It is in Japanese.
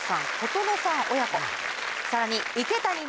さらに。